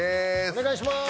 お願いします